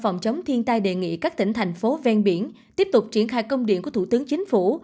phòng chống thiên tai đề nghị các tỉnh thành phố ven biển tiếp tục triển khai công điện của thủ tướng chính phủ